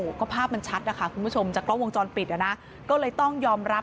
ก็ภาพมันชัดนะคะคุณผู้ชมจากกล้องวงจรปิดอ่ะนะก็เลยต้องยอมรับ